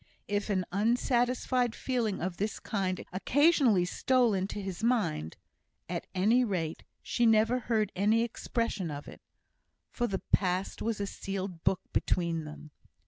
If an unsatisfied feeling of this kind occasionally stole into his mind, at any rate she never heard any expression of it; for the past was a sealed book between them.